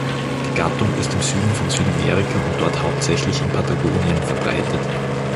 Die Gattung ist im Süden von Südamerika und dort hauptsächlich in Patagonien verbreitet.